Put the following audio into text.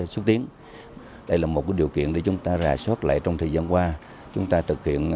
xúc tiến đây là một điều kiện để chúng ta rà soát lại trong thời gian qua chúng ta thực hiện